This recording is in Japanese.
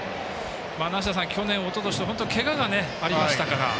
梨田さん、去年、おととしとけががありましたから。